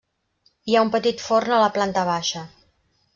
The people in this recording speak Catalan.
Hi ha un petit forn a la planta baixa.